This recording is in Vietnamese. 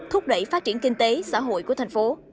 thúc đẩy phát triển kinh tế xã hội của thành phố